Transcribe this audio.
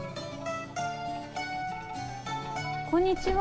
こんにちは。